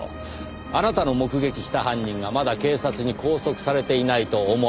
あなたの目撃した犯人がまだ警察に拘束されていないと思わせるための。